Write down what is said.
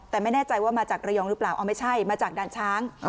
แต่ไม่แน่ใจว่ามาจากระยองหรือเปล่าเอาไม่ใช่มาจากด่านช้าง